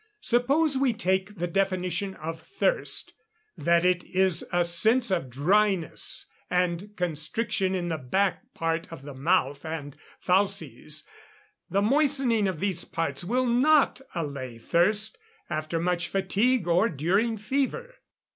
Suppose we take the definition of thirst that it is a sense of dryness and constriction in the back part of the mouth and fauces; the moistening of these parts will not allay thirst after much fatigue or during fever.